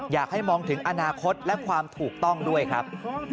อยากให้มองถึงอนาคตและความถูกต้องด้วยครับ